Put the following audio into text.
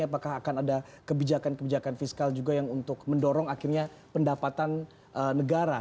apakah akan ada kebijakan kebijakan fiskal juga yang untuk mendorong akhirnya pendapatan negara